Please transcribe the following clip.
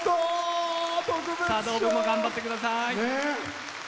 茶道部も頑張ってください。